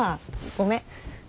ごめん。